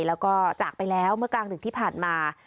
แล้วก็จากไปแล้วเมื่อกลางดึกที่ผ่านมา